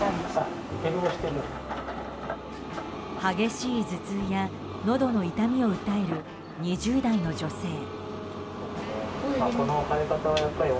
激しい頭痛や、のどの痛みを訴える２０代の女性。